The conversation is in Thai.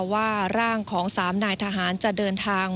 ว่าร่างของ๓นายทหารจะเดินทาง